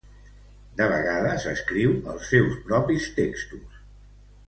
De vegades escriu els seus propis textos.